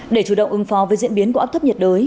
để chủ động ứng phó với diễn biến của áp thấp nhiệt đới